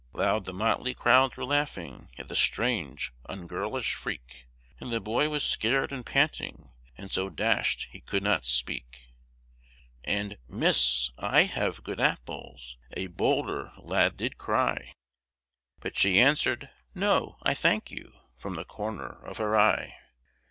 Loud the motley crowd were laughing at the strange, ungirlish freak, And the boy was scared and panting, and so dashed he could not speak; And, "Miss, I have good apples," a bolder lad did cry; But she answered, "No, I thank you," from the corner of her eye.